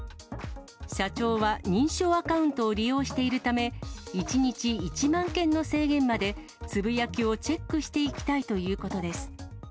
社長は認証アカウントを利用しているため、１日１万件の制限までつぶやきをチェックしていきたいということです。